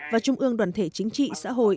và trung ương đoàn thể chính trị xã hội